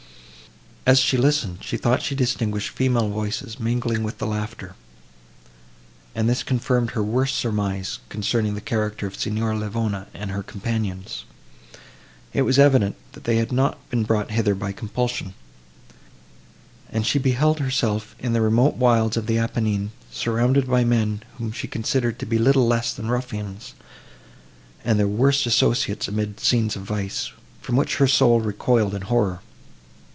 As she listened, she thought she distinguished female voices mingling with the laughter, and this confirmed her worst surmise, concerning the character of Signora Livona and her companions. It was evident, that they had not been brought hither by compulsion; and she beheld herself in the remote wilds of the Apennine, surrounded by men, whom she considered to be little less than ruffians, and their worst associates, amid scenes of vice, from which her soul recoiled in horror.